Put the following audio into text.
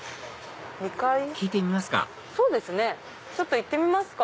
聞いてみますか？